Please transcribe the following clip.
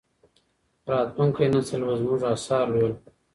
راتلونکی نسل به زموږ اثار لولي.